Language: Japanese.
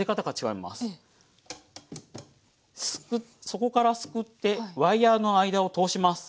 底からすくってワイヤーの間を通します。